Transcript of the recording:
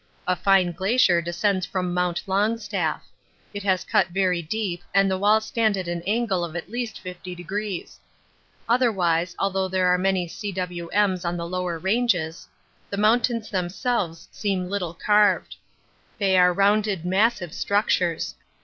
A fine glacier descends from Mount Longstaff. It has cut very deep and the walls stand at an angle of at least 50°. Otherwise, although there are many cwms on the lower ranges, the mountains themselves seem little carved. They are rounded massive structures.